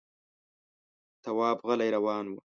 تواب غلی روان و.